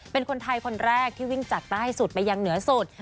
เป็นคนไทยคนแรกที่วิ่งจากใต้สุดไปยังเหนือสุด